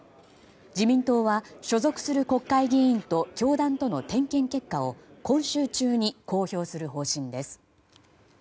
自民党は所属する国会議員と教団との点検結果を今週中に公表する方針です。